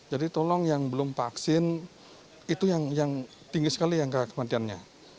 jadi tolong yang belum vaksin itu yang tinggi sekali yang kematiannya